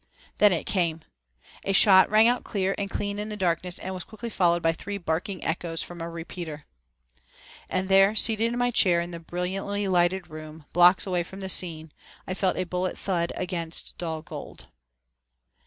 Then it came! A shot rang out clear and clean in the darkness and was quickly followed by three barking echoes from a repeater. And there seated in my chair in the brilliantly lighted room, blocks away from the scene, I felt a bullet thud against dull gold.